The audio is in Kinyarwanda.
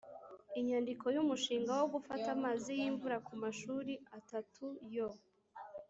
Inyandiko y umushinga wo gufata amazi y imvura ku mashuri atatu yo